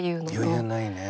余裕ないね。